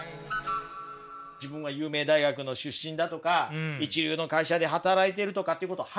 自分は有名大学の出身だとか一流の会社で働いてるとかっていうことを鼻にかける人いるじゃないですか。